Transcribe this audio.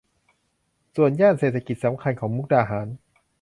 ส่วนย่านเศรษฐกิจสำคัญของมุกดาหาร